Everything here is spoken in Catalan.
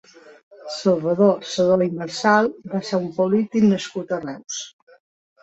Salvador Sedó i Marsal va ser un polític nascut a Reus.